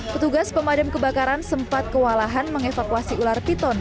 petugas pemadam kebakaran sempat kewalahan mengevakuasi ular piton